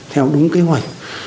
theo đúng kế hoạch